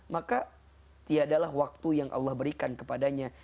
maka tiada lah waktu yang allah berikan kepadanya